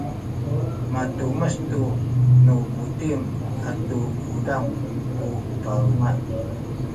matumes tu nu buting atu uzang ku balunga